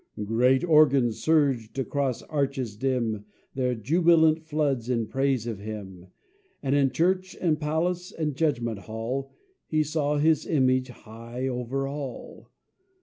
Great organs surged through arches dim Their jubilant floods in praise of him, And in church and palace, and judgment hall, He saw his image high over all.